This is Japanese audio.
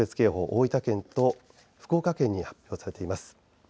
大分県と福岡県に出されています。